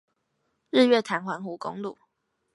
日月潭環湖公路